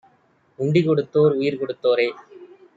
உண்டி கொடுத்தோர் உயிர் கொடுத்தோரே